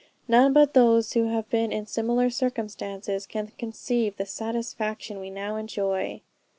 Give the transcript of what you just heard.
None but those who have been in similar circumstances can conceive the satisfaction we now enjoy."